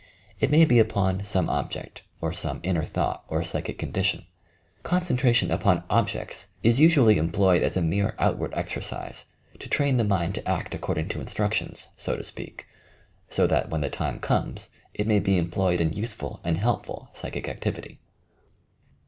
It may be upon some object, or some inner thought or psychic condition. Concentration upon objects is usually employed as a 4 216 YOUR PSYCHIC POWERS mere outward exercise to tram the nuDd to act according to instruct ions, so to speak, so that when the time comes it may be employed in useful and helpful psychic activity.